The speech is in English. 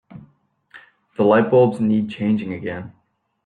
The lightbulbs need changing again.